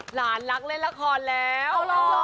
หลานรักเล่นละครแล้ว